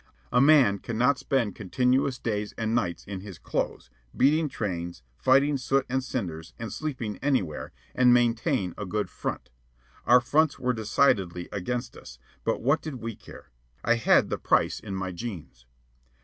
A man cannot spend continuous days and nights in his clothes, beating trains, fighting soot and cinders, and sleeping anywhere, and maintain a good "front." Our fronts were decidedly against us; but what did we care? I had the price in my jeans.